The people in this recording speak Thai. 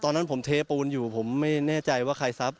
ตอนนั้นผมเทปูนอยู่ผมไม่แน่ใจว่าใครทรัพย